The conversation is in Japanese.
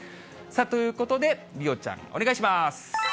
ということで、梨央ちゃん、お願いします。